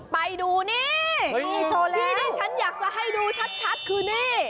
ไปดูนี่ที่ที่ฉันอยากจะให้ดูชัดคือนี่